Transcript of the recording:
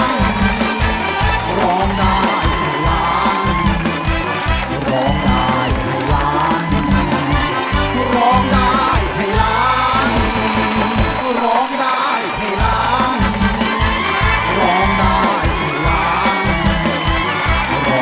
สวัสดีครับ